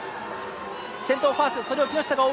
先頭ファースそれを木下が追う。